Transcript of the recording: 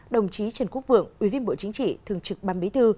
đồng chí trần quốc vượng ủy viên bộ chính trị thường trực ban bí thư